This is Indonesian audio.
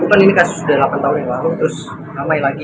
bukan ini kasus sudah delapan tahun yang lalu terus namai lagi